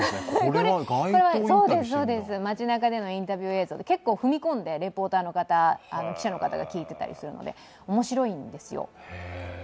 街中でのインタビュー映像で結構踏み込んでレポーターの方、記者の方が聞いていたりするので、面白いんですよ。